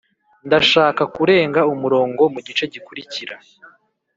ndashaka kurenga umurongo mugice gikurikira.